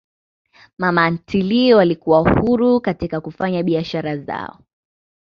Mama ntilie walikuwa na uhuru katika kufanya biashara zao